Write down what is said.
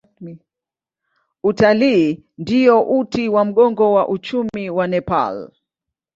Utalii ndio uti wa mgongo wa uchumi wa Nepal.